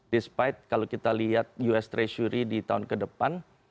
despite kalau kita lihat us treasury di tahun ke depan